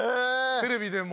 テレビでも？